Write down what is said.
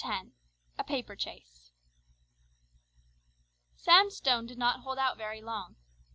X A PAPER CHASE Sam Stone did not hold out very long.